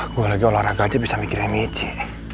gue lagi olahraga aja bisa mikirin ici